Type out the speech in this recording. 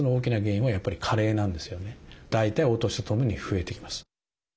大体お年とともに増えてきます。